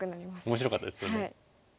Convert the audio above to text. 面白かったですけども。